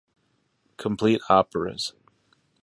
Complete operas